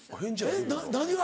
えっ何が？